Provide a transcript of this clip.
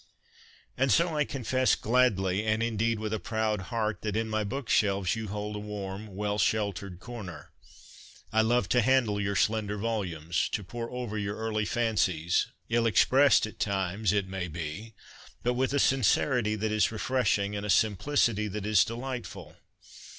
And so I confess gladly, and, indeed, with a proud heart, that in my bookshelves you hold a warm, well sheltered corner. I love to handle your slender SECOND HAND BOOKS JJ volumes, to pore over your early fancies, ill expressed at times, it may be, but with a sincerity that is refreshing, and a simplicity that is delightful.